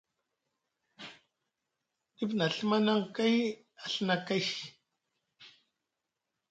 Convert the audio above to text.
Dif na Ɵimani aŋ kay a Ɵina kay,